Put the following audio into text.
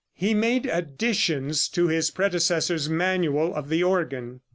He made additions to his predecessor's manual of the organ.